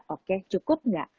oke cukup gak